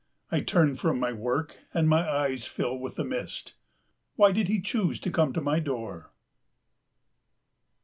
I turn from my work and my eyes fill with the mist. Why did he choose to come to my door?